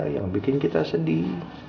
yang bikin kita sedih